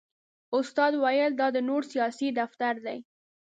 استاد ویل دا د نور سیاسي دفتر دی.